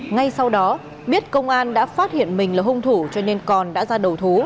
ngay sau đó biết công an đã phát hiện mình là hung thủ cho nên còn đã ra đầu thú